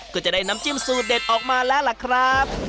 ก็จะได้น้ำจิ้มสูตรเด็ดออกมาแล้วล่ะครับ